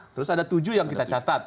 terus ada tujuh yang kita catat